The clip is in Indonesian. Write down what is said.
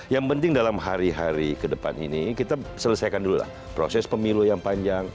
yang penting dalam hari hari ke depan ini kita selesaikan dulu lah proses pemilu yang panjang